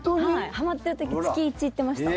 はまってる時月１行ってました。